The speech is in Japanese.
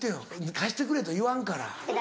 貸してくれと言わんから。